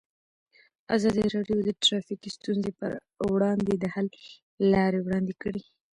ازادي راډیو د ټرافیکي ستونزې پر وړاندې د حل لارې وړاندې کړي.